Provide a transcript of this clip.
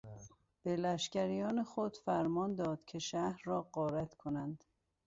به لشکریان خود فرمان داد که شهر را غارت کنند.